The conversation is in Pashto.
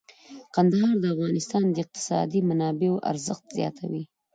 کندهار د افغانستان د اقتصادي منابعو ارزښت زیاتوي.